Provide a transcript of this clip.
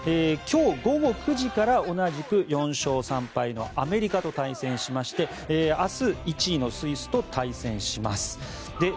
今日午後９時から同じく４勝３敗のアメリカと対戦しまして、明日１位のスイスと対戦します。